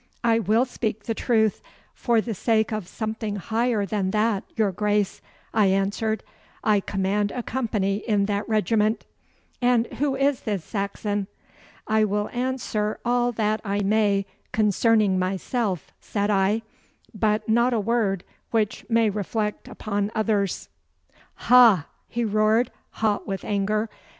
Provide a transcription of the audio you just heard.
'I will speak the truth for the sake of something higher than that, your Grace,' I answered. 'I command a company in that regiment.' 'And who is this Saxon?' 'I will answer all that I may concerning myself,' said I, 'but not a word which may reflect upon others.' 'Ha!' he roared, hot with anger.